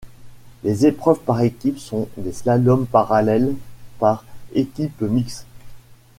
Les épreuves par équipe sont des slaloms parallèles par équipes mixtes.